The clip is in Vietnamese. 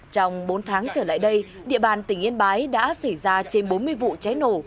trong bốn tháng trở lại đây địa bàn tỉnh yên bái đã xảy ra trên bốn mươi vụ cháy nổ